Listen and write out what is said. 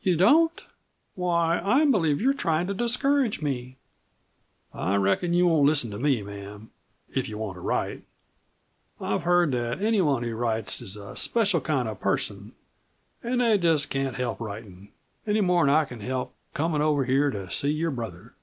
"You don't? Why, I believe you are trying to discourage me!" "I reckon you won't listen to me, ma'am, if you want to write. I've heard that anyone who writes is a special kind of a person an' they just can't help writin' any more'n I can help comin' over here to see your brother.